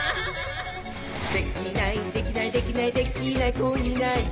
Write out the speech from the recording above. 「できないできないできないできない子いないか」